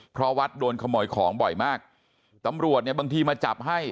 เพราะวัดโดนขโมยของบ่อยมากตำรวจเนี่ยบางทีมาจับให้